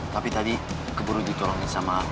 tapi tadi keburu ditolongin sama